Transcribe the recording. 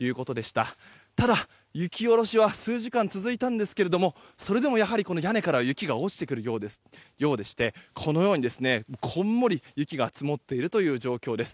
ただ、雪下ろしは数時間続いたんですけどもそれでもやはり屋根から雪が落ちてくるようでしてこのように、こんもり雪が積もっている状況です。